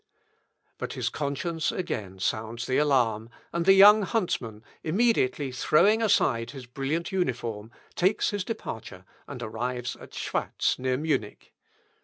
But his conscience again sounds the alarm, and the young huntsman, immediately throwing aside his brilliant uniform, takes his departure, and arrives at Schwatz near Munich.